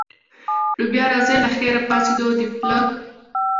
نو بیا راځئ له خیره، پاڅېدو او د پله.